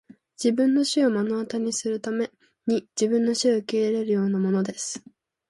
自分の死を目の当たりにするために自分の死を受け入れるようなものです!